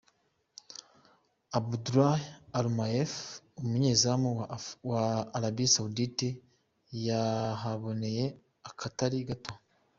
Abdullah Almuaiouf umunyezamu wa Arabia Saudite yahaboneye akatari gato.